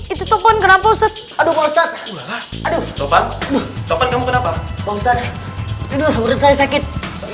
itu tuh pun kenapa ustadz aduh ustadz aduh